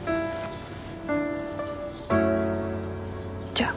じゃあ。